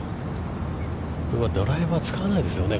これはドライバーを使わないですよね。